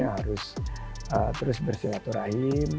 harus terus bersilaturahim